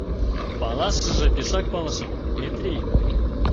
— Палашыже пешак палышым, Метрий.